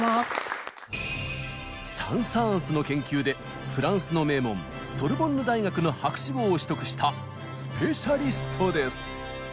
サン・サーンスの研究でフランスの名門ソルボンヌ大学の博士号を取得したスペシャリストです。